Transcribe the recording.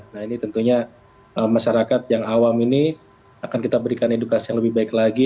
nah ini tentunya masyarakat yang awam ini akan kita berikan edukasi yang lebih baik lagi